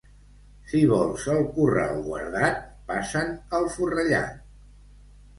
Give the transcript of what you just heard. Si vols el corral guardat, passa'n el forrellat.